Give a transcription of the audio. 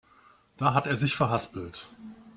Da hat er sich verhaspelt.